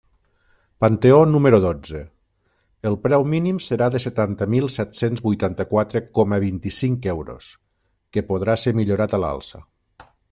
Panteó número dotze: el preu mínim serà de setanta mil set-cents vuitanta-quatre coma vint-i-cinc euros, que podrà ser millorat a l'alça.